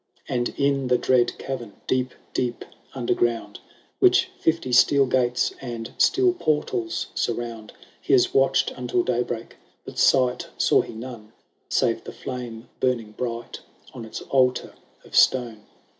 And in the dread cavern, deep deep under ground, Which fifty steel gates and steel portals surround, He has watched until daybreak, but sight saw he none, Save the flame burning bright on its altar of stone.